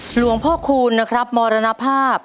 หลวงพ่อคูณนะครับมรณภาพ